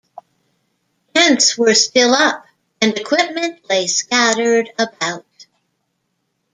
Tents were still up and equipment lay scattered about.